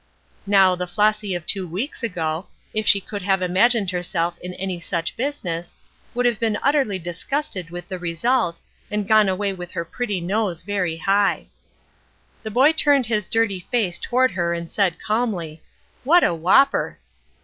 Now the Flossy of two weeks ago, if she could have imagined herself in any such business, would have been utterly disgusted with the result, and gone away with her pretty nose very high. The boy turned his dirty face toward her and said, calmly: "What a whopper!"